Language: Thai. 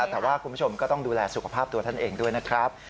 แต่ว่าคุณผู้ชมก็ต้องดูแลสุขภาพตัวท่านเองด้วยนะครับ